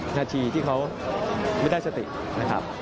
๔รอบรอบสุดท้ายที่ประมาณ๒๔นาทีที่เขาไม่ได้สติกนะครับ